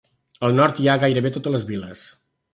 Al nord hi ha gairebé totes les viles.